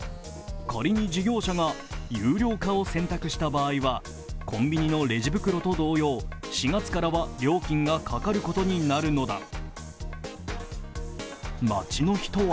仮に、事業者が有料化を選択した場合はコンビニのレジ袋と同様、４月からは料金がかかることになるのだ。